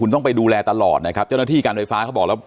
ต้องไปดูแลตลอดนะครับเจ้าหน้าที่การไฟฟ้าเขาบอกแล้ว